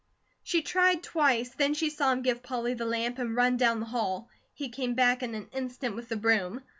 She tried twice, then she saw him give Polly the lamp, and run down the hall. He came back in an instant with the broom.